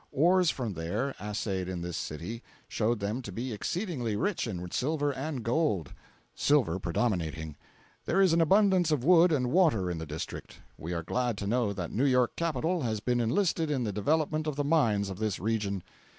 Ores from there, assayed in this city, showed them to be exceedingly rich in silver and gold—silver predominating. There is an abundance of wood and water in the District. We are glad to know that New York capital has been enlisted in the development of the mines of this region.